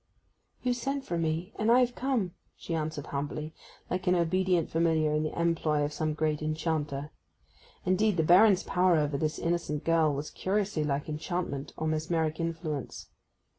'You sent for me, and I have come,' she answered humbly, like an obedient familiar in the employ of some great enchanter. Indeed, the Baron's power over this innocent girl was curiously like enchantment, or mesmeric influence.